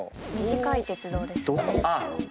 短い鉄道ですね。